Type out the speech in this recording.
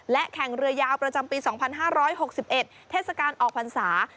และแข่งเรือยาวประจำปี๒๕๖๑เทศกาลออกพรรษา